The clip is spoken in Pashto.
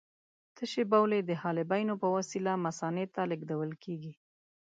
تشې بولې د حالبیونو په وسیله مثانې ته لېږدول کېږي.